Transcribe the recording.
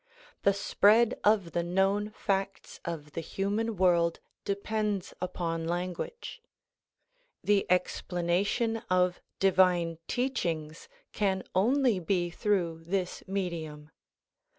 The spread of the known facts of the human world depends upon lan guage. The explanation of divine teachings can only be through this medium.